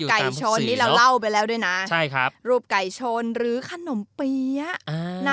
ไก่ชนนี่เราเล่าไปแล้วด้วยนะใช่ครับรูปไก่ชนหรือขนมเปี๊ยะ